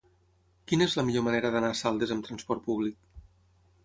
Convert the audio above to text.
Quina és la millor manera d'anar a Saldes amb trasport públic?